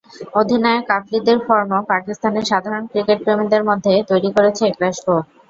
অধিনায়ক আফ্রিদির ফর্মও পাকিস্তানের সাধারণ ক্রিকেটপ্রেমীদের মধ্যে তৈরি করেছে একরাশ ক্ষোভ।